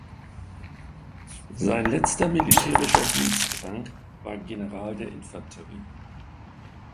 Sein letzter militärischer Dienstrang war General der Infanterie.